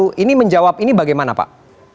bu ini menjawab ini bagaimana pak